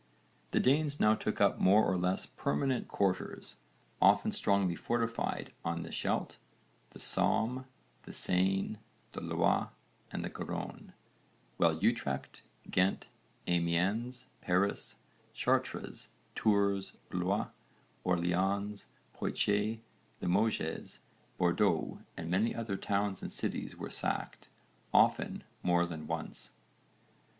The Danes now took up more or less permanent quarters, often strongly fortified, on the Scheldt, the Somme, the Seine, the Loire and the Garonne, while Utrecht, Ghent, Amiens, Paris, Chartres, Tours, Blois, Orléans, Poitiers, Limoges, Bordeaux and many other towns and cities were sacked, often more than once.